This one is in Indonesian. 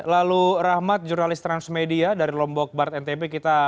lalu rahmat jurnalis transmedia dari lombok bart ntp